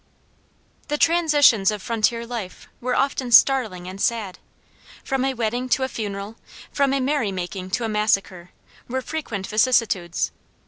The transitions of frontier life were often startling and sad. From a wedding to a funeral, from a merrymaking to a massacre, were frequent vicissitudes.